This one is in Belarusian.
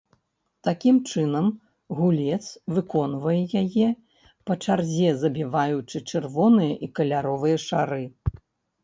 Такім чынам, гулец выконвае яе па чарзе забіваючы чырвоныя і каляровыя шары.